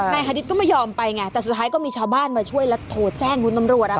ฮาริสก็ไม่ยอมไปไงแต่สุดท้ายก็มีชาวบ้านมาช่วยแล้วโทรแจ้งคุณตำรวจ